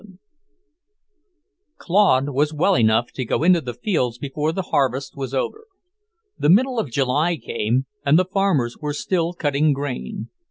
VII Claude was well enough to go into the fields before the harvest was over. The middle of July came, and the farmers were still cutting grain.